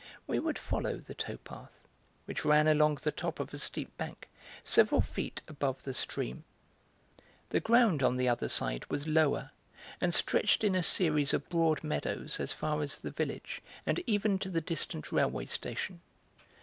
We would follow the tow path which ran along the top of a steep bank, several feet above the stream. The ground on the other side was lower, and stretched in a series of broad meadows as far as the village and even to the distant railway station.